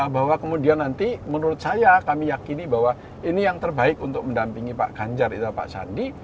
bahwa kemudian nanti menurut saya kami yakini bahwa ini yang terbaik untuk mendampingi pak ganjar itu pak sandi